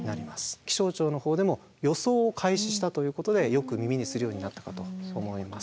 気象庁のほうでも予想を開始したということでよく耳にするようになったかと思います。